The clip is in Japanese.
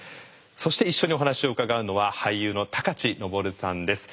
そして一緒にお話を伺うのは俳優の高知東生さんです。